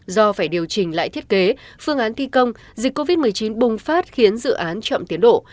do phải điều chỉnh lại thiết kế phương án thi công dịch covid một mươi chín bùng phát khiến dự án chậm tiến độ